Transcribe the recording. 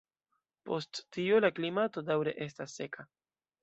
Post tio la klimato daŭre estas seka.